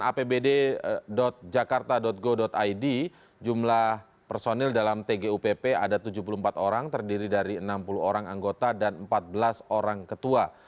apbd jakarta go id jumlah personil dalam tgupp ada tujuh puluh empat orang terdiri dari enam puluh orang anggota dan empat belas orang ketua